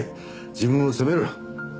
自分を責めるな。